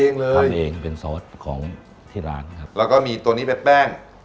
เองเลยทำเองเป็นซอสของที่ร้านครับแล้วก็มีตัวนี้เป็นแป้ง